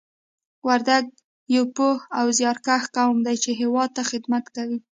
وردګ یو پوه او زیارکښ قوم دی چې هېواد ته خدمت کوي